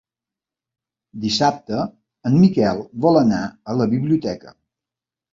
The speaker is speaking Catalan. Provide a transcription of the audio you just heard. Dissabte en Miquel vol anar a la biblioteca.